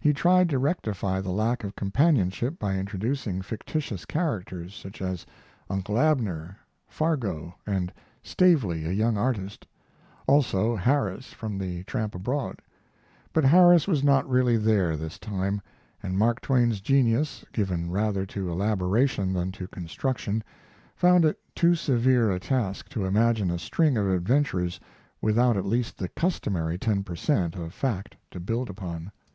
He tried to rectify the lack of companionship by introducing fictitious characters, such as Uncle Abner, Fargo, and Stavely, a young artist; also Harris, from the Tramp Abroad; but Harris was not really there this time, and Mark Twain's genius, given rather to elaboration than to construction, found it too severe a task to imagine a string of adventures without at least the customary ten per cent. of fact to build upon.